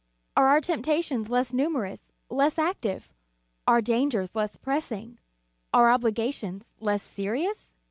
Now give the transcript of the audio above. Are our temptations less numerous, less active? our dangers less pressing? our obligations less serious?